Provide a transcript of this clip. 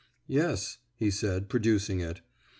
"Yes," he said, producing it.